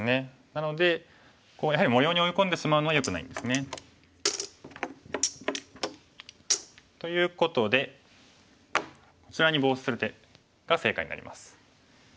なのでやはり模様に追い込んでしまうのはよくないんですね。ということでこちらにボウシする手が正解になります。